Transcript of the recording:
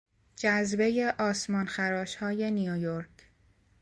جذبهی آسمانخراشهای نیویورک